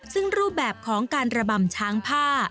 ซึ่งรูปแบบของการระบำช้างผ้า